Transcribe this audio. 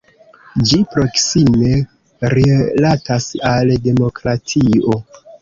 Ĝi proksime rilatas al demokratio.